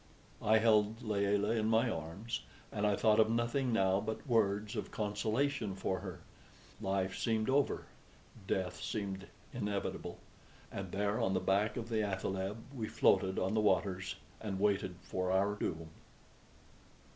I held Layelah in my arms, and I thought of nothing now but words of consolation for her. Life seemed over; death seemed inevitable; and there, on the back of the athaleb, we floated on the waters and waited for our doom.